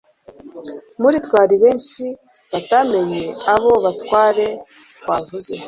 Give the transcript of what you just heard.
muri twe hari benshi batamenye abo batware twavuze